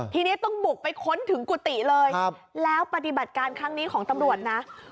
ทีนี้ต้องบุกไปค้นถึงกุฏิเลยแล้วปฏิบัติการครั้งนี้ของตำรวจนะ